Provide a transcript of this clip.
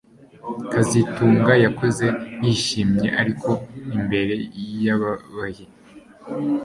kazitunga yakoze yishimye ariko imbere yababaye